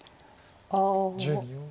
ああ。